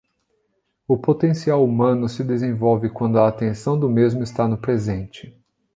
O potencial humano se desenvolve quando a atenção do mesmo está no presente